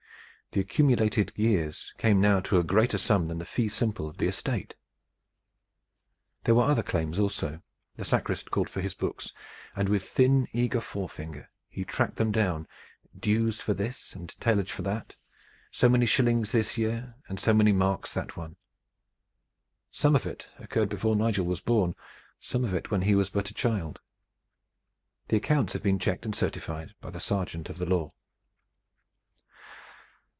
The accumulated years came now to a greater sum than the fee simple of the estate. There were other claims also. The sacrist called for his books, and with thin, eager forefinger he tracked them down: dues for this, and tailage for that, so many shillings this year, and so many marks that one. Some of it occurred before Nigel was born; some of it when he was but a child. The accounts had been checked and certified by the sergeant of the law.